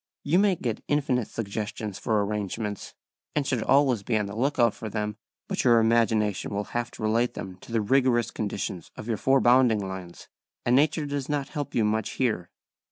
You may get infinite suggestions for arrangements, and should always be on the look out for them, but your imagination will have to relate them to the rigorous conditions of your four bounding lines, and nature does not help you much here.